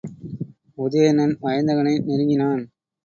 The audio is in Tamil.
உதயணன் வயந்தகனை நெருங்கினான்.